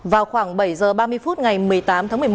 vào khoảng bảy h ba mươi phút ngày một mươi tám tháng một mươi một